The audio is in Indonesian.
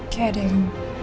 kayak ada yang